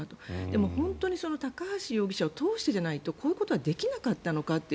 でも、本当に高橋容疑者を通してじゃないとこういうことができなかったのかと。